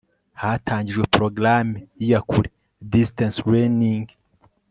hatangijwe programme y'iyakure (distance learning